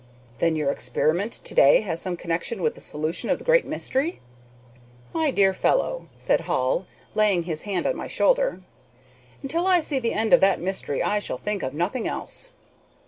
"Then your experiment to day has some connection with the solution of the great mystery?" "My dear fellow," said Hall, laying his hand on my shoulder, "until I see the end of that mystery I shall think of nothing else."